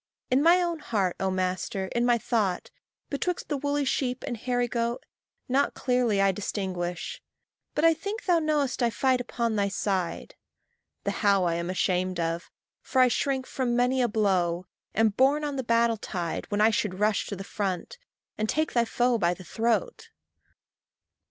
In my own heart, O master, in my thought, Betwixt the woolly sheep and hairy goat Not clearly I distinguish; but I think Thou knowest that I fight upon thy side. The how I am ashamed of; for I shrink From many a blow am borne on the battle tide, When I should rush to the front, and take thy foe by the throat.